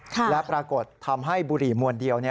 และปรากฏทำให้บุหรี่มวลเดียว